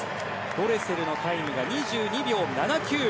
ドレセルのタイムが２２秒７９。